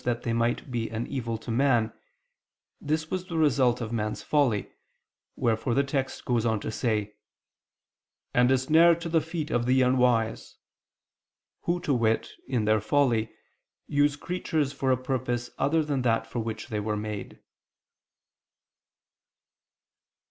]; for God did not make the creatures that they might be an evil to man; this was the result of man's folly, wherefore the text goes on to say, "and a snare to the feet of the unwise," who, to wit, in their folly, use creatures for a purpose other than that for which they were made.